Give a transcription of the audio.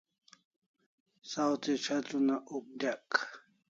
Saw thi ch'etr una uk dyek